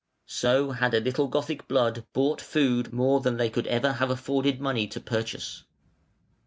So had a little Gothic blood bought food more than they could ever have afforded money to purchase.